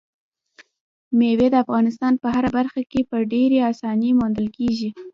مېوې د افغانستان په هره برخه کې په ډېرې اسانۍ موندل کېږي.